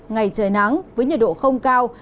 ngày trời nắng với nhiệt độ không cao